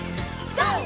ＧＯ！